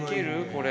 これ。